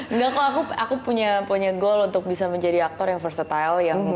enggak kok aku punya goal untuk bisa menjadi aktor yang versatile